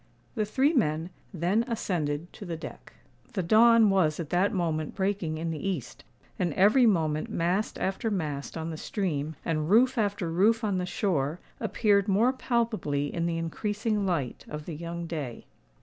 The three men then ascended to the deck. The dawn was at that moment breaking in the east; and every moment mast after mast on the stream, and roof after roof on the shore, appeared more palpably in the increasing light of the young day.